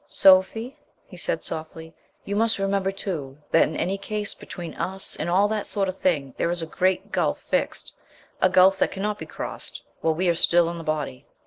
"Sophie," he said softly, "you must remember, too, that in any case between us and and all that sort of thing there is a great gulf fixed, a gulf that cannot be crossed er while we are still in the body."